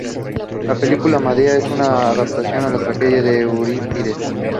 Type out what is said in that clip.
La película "Medea" es una adaptación de la tragedia de Eurípides.